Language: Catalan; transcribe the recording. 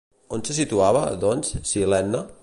On se situava, doncs, Cil·lene?